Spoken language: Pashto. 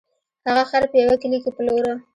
هغه خر په یوه کلي کې پلوره.